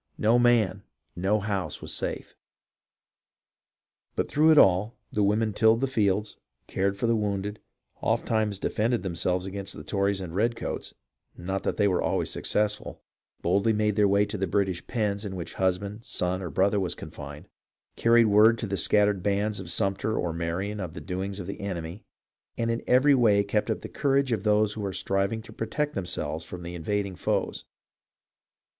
No man, no house, was safe. But through it all, the women tilled the fields, cared for the wounded, ofttimes defended them selves against the Tories and redcoats (not that they were always successful), boldly made their way to the British pens in which husband, son, or brother was confined ; carried word to the scattered bands of Sumter or Marion of the doings of the enemy, and in every way kept up the courage of those who were striving to protect themselves from the invading foes.